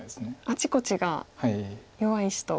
あちこちが弱い石と。